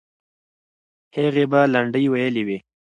هغې به لنډۍ ویلې وي.